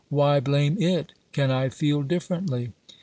Why blame it ? Can I feel differently